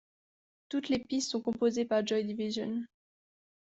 Toutes les pistes sont composées par Joy Division.